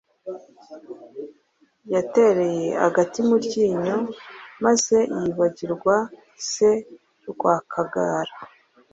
yatereye agati mu ryinyo maze yibagirwa se Rwakagara,